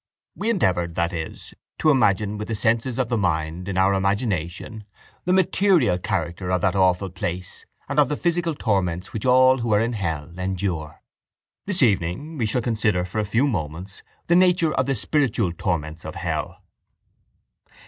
We endeavoured, that is, to imagine with the senses of the mind, in our imagination, the material character of that awful place and of the physical torments which all who are in hell endure. This evening we shall consider for a few moments the nature of the spiritual torments of hell.